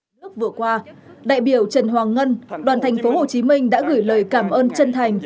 trong lúc vừa qua đại biểu trần hoàng ngân đoàn thành phố hồ chí minh đã gửi lời cảm ơn chân thành